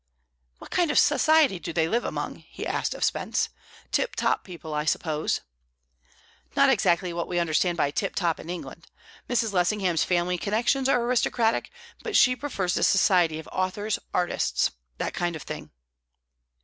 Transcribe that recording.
"What kind of society do they live among?" he asked of Spence. "Tip top people, I suppose?" "Not exactly what we understand by tip top in England. Mrs. Lessingham's family connections are aristocratic, but she prefers the society of authors, artists that kind of thing."